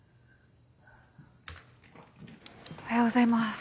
おはようございます。